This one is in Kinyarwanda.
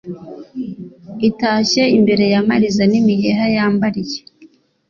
Itashye imbere y' amariza N' imiheha yambariye